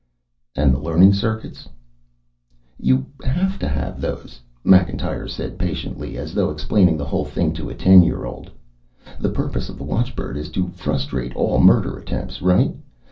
"And the learning circuits?" "You have to have those," Macintyre said patiently, as though explaining the whole thing to a ten year old. "The purpose of the watchbird is to frustrate all murder attempts, right?